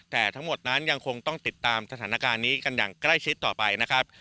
แต่ทั้งหมดนั้นยังคงต้องติดตามสถานการณ์นี้กันอย่างใกล้ชิดต่อไปนะครับ